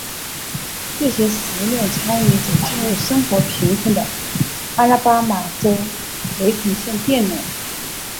这些实验参与者皆为生活贫困的阿拉巴马州梅肯县佃农。